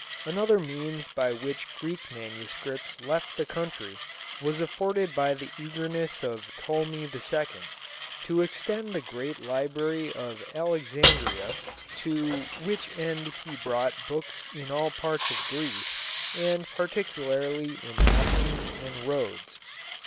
Another means by which Greek manuscripts left the country was afforded by the eagerness of Ptolemy II. to extend the great library of Alexandria, to which end he bought books in all parts of Greece, and particularly in Athens and Rhodes.